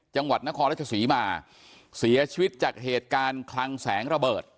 จังหวัดนครราชศรีมาเสียชีวิตจากเหตุการณ์คลังแสงระเบิด